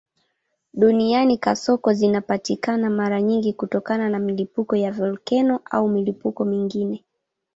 Duniani kasoko zinapatikana mara nyingi kutokana na milipuko ya volkeno au milipuko mingine.